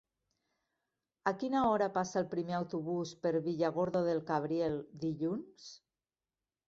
A quina hora passa el primer autobús per Villargordo del Cabriel dilluns?